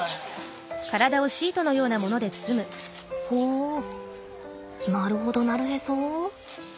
ほうなるほどなるへそ？